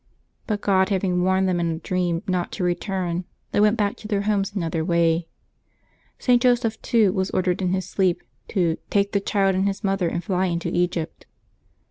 '' But God having warned them in a dream not to return, they went back to their homes another way. St. Joseph, too, was ordered in his sleep to "take the Child and His Mother and fly into Egypt."